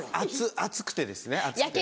熱くてですね熱くて。